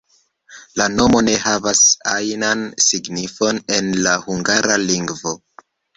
La nomo ne havas ajnan signifon en la hungara lingvo.